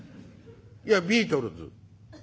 「いやビートルズ」。